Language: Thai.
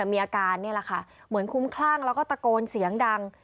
มีอาการเหมือนคุ้มคล่างแล้วก็ตะโกนเสียงดัง